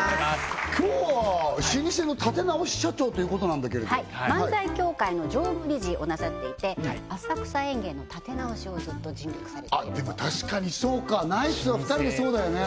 今日は老舗の立て直し社長ということなんだけれど漫才協会の常務理事をなさっていて浅草演芸の立て直しをずっと尽力されているとでも確かにそうかナイツは２人でそうだよね